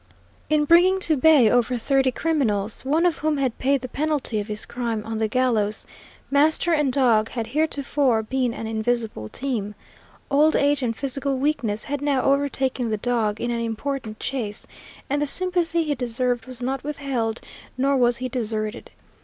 In bringing to bay over thirty criminals, one of whom had paid the penalty of his crime on the gallows, master and dog had heretofore been an invincible team. Old age and physical weakness had now overtaken the dog in an important chase, and the sympathy he deserved was not withheld, nor was he deserted.